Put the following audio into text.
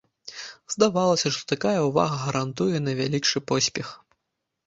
Здавалася, што такая ўвага гарантуе найвялікшы поспех.